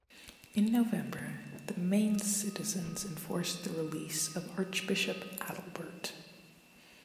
In November, the Mainz citizens enforced the release of Archbishop Adalbert.